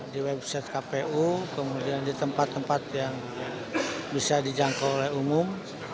di website kpu kemudian di tempat tempat yang bisa dijangkau oleh umum